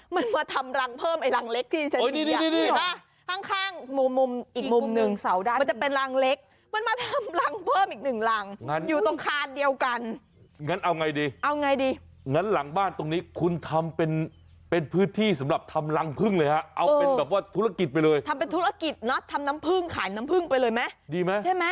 มันมาทำรังเพิ่มรังเล็กที่ฉันที